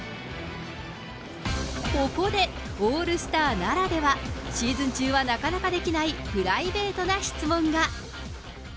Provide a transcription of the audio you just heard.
ここで、オールスターならでは、シーズン中はなかなかできないプライベートな質問が。